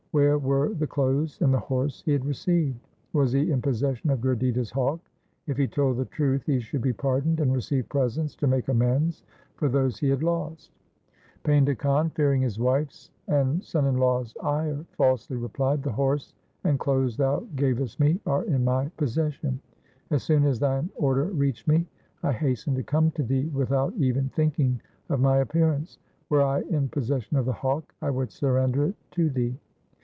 Where were the clothes and the horse he had received ? Was he in possession of Gurditta's hawk ? If he told the truth he should be pardoned and receive presents to make amends for those he had lost. Painda Khan, fearing his wife's and son in law's ire, falsely replied, ' The horse and clothes thou gavest me are in my possession. As soon as thine order reached me, I hastened to come to thee with out even thinking of my appearance. Were I in possession of the hawk, I would surrender it to thee.